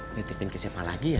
nitipin ke siapa lagi ya